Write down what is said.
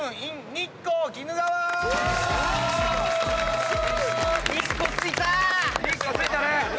日光着いたね！